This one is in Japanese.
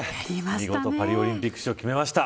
見事、パリオリンピック出場を決めました。